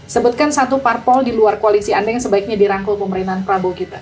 sebutkan satu parpol di luar koalisi anda yang sebaiknya dirangkul pemerintahan prabowo kita